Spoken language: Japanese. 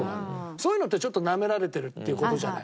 そういうのってちょっとナメられてるっていう事じゃない。